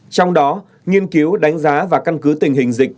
trong đó nghiên cứu đánh giá và căn cứ tình hình dịch